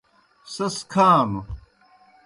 سیْس کھانوْ۔